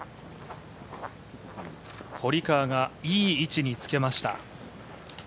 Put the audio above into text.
堀川がいい位置につけました。